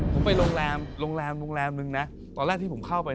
ผมไปโรงแรมตอนแรกที่เข้าไป